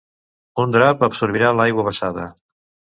Un drap absorbirà l'aigua vessada.